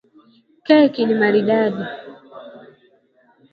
Keki ni maridadi